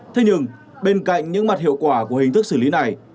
thế nhưng bên cạnh những mặt hiệu quả của hình thức xử lý này